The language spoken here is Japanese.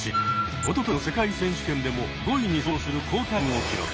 おととしの世界選手権でも５位に相当する好タイムを記録。